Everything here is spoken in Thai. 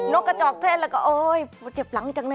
กระจอกเทศแล้วก็โอ๊ยเจ็บหลังจังเลย